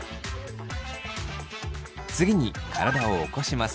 次に体を起こします。